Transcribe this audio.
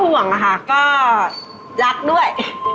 ห่วงค่ะก็รักด้วย